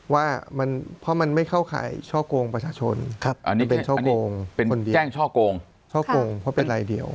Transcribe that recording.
ว่ามันเพราะมันไม่เข้าข่ายช่อโกงประชาชนครับเป็นแจ้งช่อโกงเพราะเป็นรายเดียว